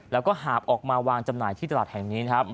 แล้วก็หาบออกมาวางจำหน่ายที่ตลาดแห่งนี้นะครับ